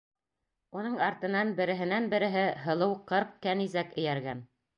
Уның артынан береһенән-береһе һылыу ҡырҡ кәнизәк эйәргән.